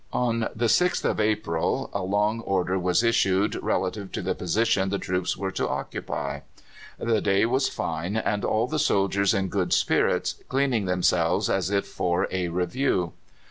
On the 6th of April a long order was issued relative to the position the troops were to occupy. The day was fine, and all the soldiers in good spirits, cleaning themselves as if for a review.